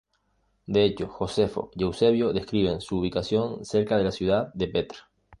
De hecho, Josefo y Eusebio describen su ubicación cerca de la ciudad de Petra.